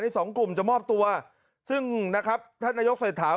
สองกลุ่มจะมอบตัวซึ่งนะครับท่านนายกเศรษฐา